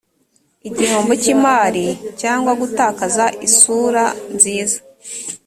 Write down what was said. igihombo cy imari cyangwa gutakaza isura nziza